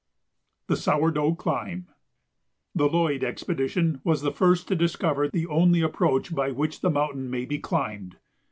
[Sidenote: The Sourdough Climb] The Lloyd expedition was the first to discover the only approach by which the mountain may be climbed.